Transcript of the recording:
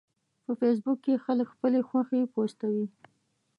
په فېسبوک کې خلک خپلې خوښې پوسټوي